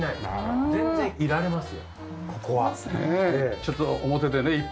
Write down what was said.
ちょっと表でね一服。